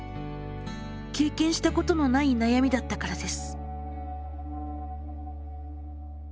経験したことのない悩みだったからです。